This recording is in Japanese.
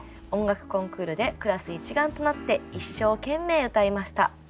音楽コンクールでクラス一丸となって一生懸命歌いました。